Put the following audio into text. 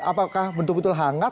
apakah betul betul hangat